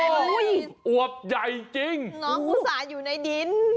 โอ้โหอวบใหญ่จริงน้องอุตส่าห์อยู่ในดิน